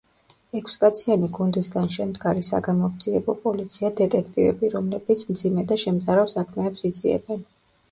ექვსკაციანი გუნდისგან შემდგარი საგამოძიებო პოლიცია დეტექტივები, რომელებიც მძიმე და შემზარავ საქმეებს იძიებენ.